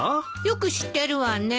よく知ってるわね。